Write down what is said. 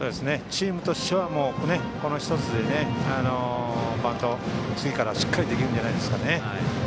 チームとしてはこの１つでバントを次からしっかりできるんじゃないんですかね。